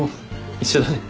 一緒だね。